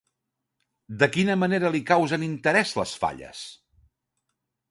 De quina manera li causen interès les Falles?